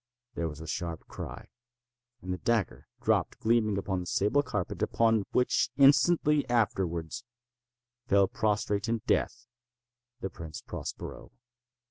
There was a sharp cry—and the dagger dropped gleaming upon the sable carpet, upon which, instantly afterwards, fell prostrate in death the Prince Prospero.